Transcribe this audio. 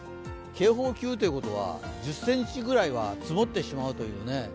警報級ということは１０ｃｍくらいは積もってしまうというね。